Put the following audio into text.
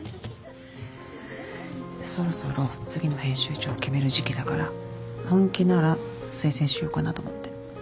そろそろ次の編集長決める時期だから本気なら推薦しようかなと思って。